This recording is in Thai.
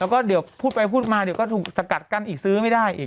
แล้วก็เดี๋ยวพูดไปพูดมาเดี๋ยวก็ถูกสกัดกันอีกซื้อไม่ได้อีก